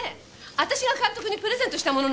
私が監督にプレゼントしたものなのよ！